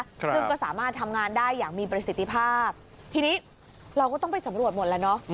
ซึ่งก็สามารถทำงานได้อย่างมีประสิทธิภาพทีนี้เราก็ต้องไปสำรวจหมดแล้วเนอะ